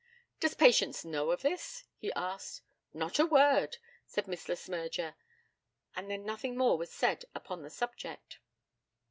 'Does Patience know of this?' he asked. 'Not a word,' said Miss Le Smyrger. And then nothing more was said upon the subject.